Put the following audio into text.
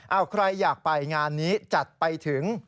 เอาใครอยากไปงานนี้จัดไปถึง